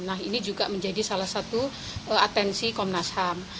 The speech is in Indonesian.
nah ini juga menjadi salah satu atensi komnas ham